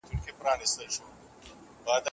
د پرمختګ لپاره باید امکانات برابر سي.